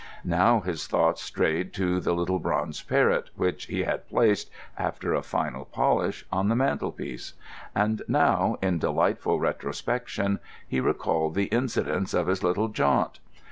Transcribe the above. Now his thoughts strayed to the little bronze parrot, which he had placed, after a final polish, on the mantelpiece; and now, in delightful retrospection, he recalled the incidents of his little jaunt.